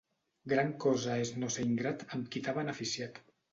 Gran cosa és no ser ingrat amb qui t'ha beneficiat.